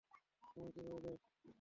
সময় কিভাবে যায়।